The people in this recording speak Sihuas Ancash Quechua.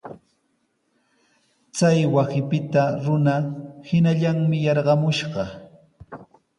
Chay wasipita runa hinallanmi yarqamushqa.